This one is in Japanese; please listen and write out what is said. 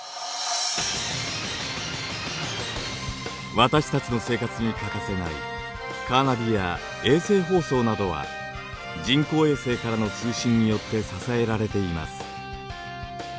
私たちの生活に欠かせないカーナビや衛星放送などは人工衛星からの通信によって支えられています。